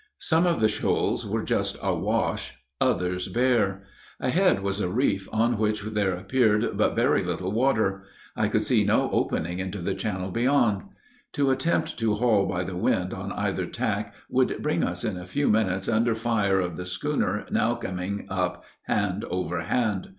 Some of the shoals were just awash, others bare. Ahead was a reef on which there appeared but very little water. I could see no opening into the channel beyond. To attempt to haul by the wind on either tack would bring us in a few minutes under fire of the schooner now coming up hand over hand.